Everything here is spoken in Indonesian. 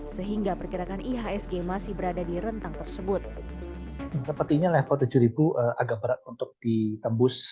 sehingga perkirakan ihsg masih berada di rentang tersebut